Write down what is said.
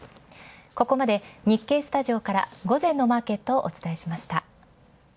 ここまで日経スタジオから午前のマーケットをお伝えしました。